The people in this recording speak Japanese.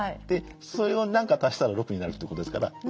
でそれを何か足したら６になるってことですから。